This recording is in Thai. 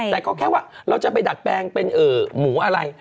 แต่ก็แค่ว่าเราจะไปดัดแปลงเป็นหมูอะไร